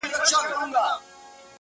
چي د دفتر همكاران وايي راته;